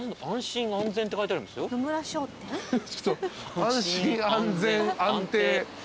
「安心・安全・安定」